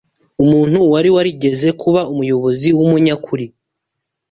Umuntu wari warigeze kuba umuyobozi w’umunyakuri